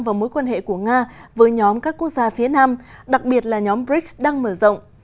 và mối quan hệ của nga với nhóm các quốc gia phía nam đặc biệt là nhóm brics đang mở rộng